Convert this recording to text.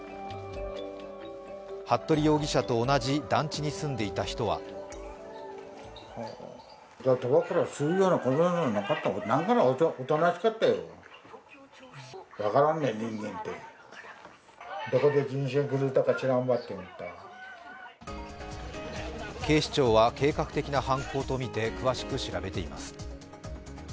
服部容疑者と同じ団地に住んでいた人は警視庁は計画的な犯行とみて詳しく調べています。